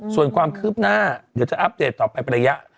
ส่วนความคืบหน้าเดี๋ยวจะอัปเดตต่อไปเป็นระยะ